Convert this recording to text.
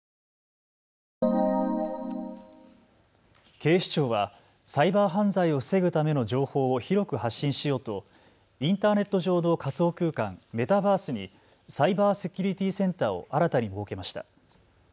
警視庁はサイバー犯罪を防ぐための情報を広く発信しようとインターネット上の仮想空間、メタバースにサイバーセキュリティセンターを新たに設けました。